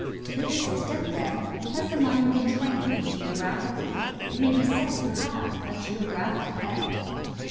To this extent, then, has the mind been trained geographically; it may be said to have a geo graphic bent.